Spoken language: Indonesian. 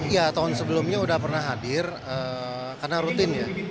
ya tahun sebelumnya sudah pernah hadir karena rutin ya